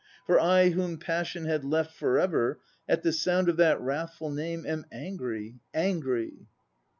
For I whom passion Had left for ever At the sound of that wrathful name Am angry, angry."